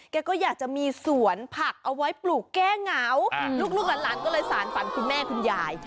แกก็อยากจะมีสวนผักเอาไว้ปลูกแก้เหงาลูกหลานก็เลยสารฝันคุณแม่คุณยาย